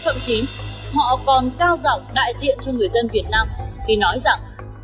thậm chí họ còn cao dọng đại diện cho người dân việt nam khi nói rằng